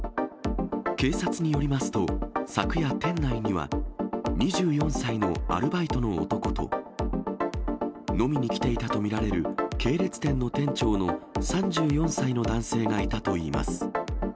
警察によりますと、昨夜、店内には２４歳のアルバイトの男と、飲みに来ていたと見られる系列店の店長の３４歳の男性がいたといいます。